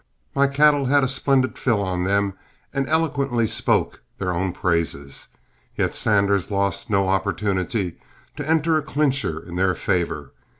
My cattle had a splendid fill on them and eloquently spoke their own praises, yet Sanders lost no opportunity to enter a clincher in their favor.